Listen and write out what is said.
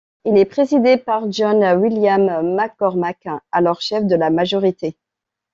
Il est présidé par John William McCormack, alors chef de la majorité.